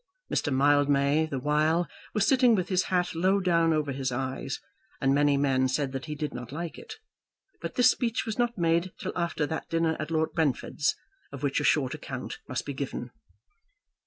Mr. Mildmay, the while, was sitting with his hat low down over his eyes, and many men said that he did not like it. But this speech was not made till after that dinner at Lord Brentford's, of which a short account must be given.